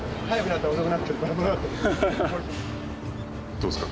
どうですか？